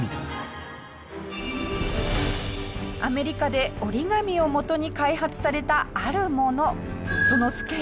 アメリカで折り紙をもとに開発されたあるもの。